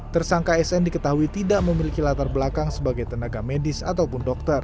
tersangka sn diketahui tidak memiliki latar belakang sebagai tenaga medis ataupun dokter